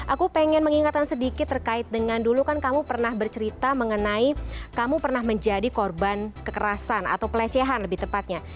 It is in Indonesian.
aku pengen mengingatkan sedikit terkait dengan dulu kan kamu pernah bercerita mengenai kamu pernah menjadi korban kekerasan atau pelecehan lebih tepatnya